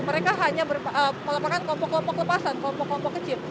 mereka hanya merupakan kelompok kelompok lepasan kelompok kelompok kecil